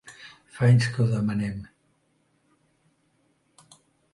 Fa anys que ho demanem.